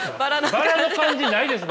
バラの感じないです